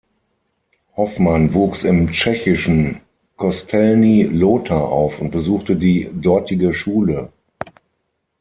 Hofman wuchs im tschechischen Kostelní Lhota auf und besuchte die dortige Schule.